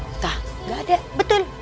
entah gak ada betul gak ada